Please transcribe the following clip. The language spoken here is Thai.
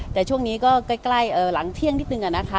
แต่ช่วงนี้ก็ใกล้หลังเที่ยงนิดนึงนะคะ